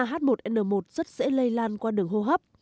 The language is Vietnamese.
h một n một rất dễ lây lan qua đường hô hấp